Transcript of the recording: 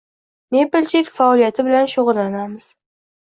mebelchilik faoliyati bilan shug‘ullanamiz.